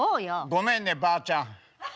ごめんねばあちゃん。